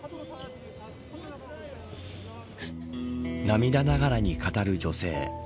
涙ながらに語る女性。